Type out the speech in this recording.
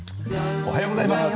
おはようございます。